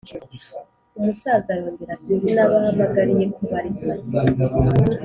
umusaza arongera ati: « sinabahamagariye kubariza,